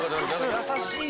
優しい舌。